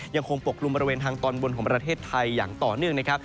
ยังคงปกลุ่มบริเวณทางตอนบนของประเทศไทยอย่างต่อเนื่องนะครับ